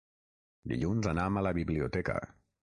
Dilluns anam a la biblioteca.